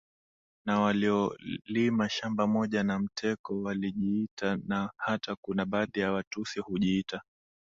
Na waliolima shamba moja na Mteko walijiita na hata kuna baadhi ya Watusi hujiita